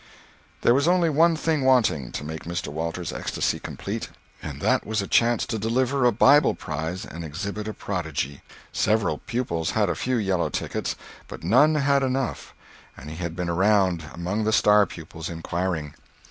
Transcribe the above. There was only one thing wanting to make Mr. Walters' ecstasy complete, and that was a chance to deliver a Bible prize and exhibit a prodigy. Several pupils had a few yellow tickets, but none had enough—he had been around among the star pupils inquiring.